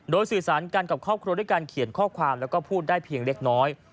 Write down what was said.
โดยสื่อสารกันกับครอบครัวด้วยการเขียนข้อความแล้วก็พูดได้เพียงเล็กน้อย